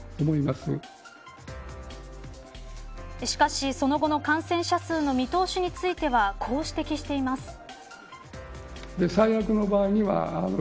しかし、その後の感染者数の見通しについてはこう指摘しています。